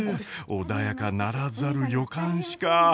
穏やかならざる予感しか。